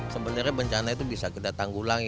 sebenarnya bencana itu bisa kita tanggulangi